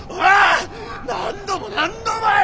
何度も何度もよ！